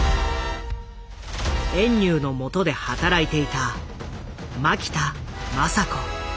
遠入のもとで働いていた槇田昌子。